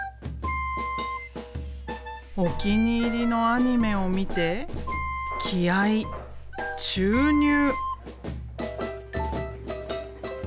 お気に入りのアニメを見て気合い注入！